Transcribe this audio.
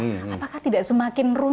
apakah tidak semakin berubah